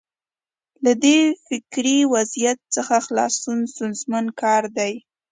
له دې فکري وضعیت څخه خلاصون ستونزمن کار دی.